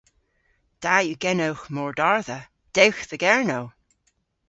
Da yw genowgh mordardha. Dewgh dhe Gernow!